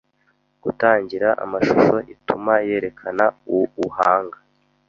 Gutangira amashusho ituma yerekana uuhanga